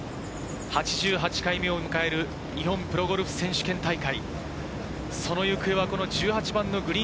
８８回目を迎える日本プロゴルフ選手権大会。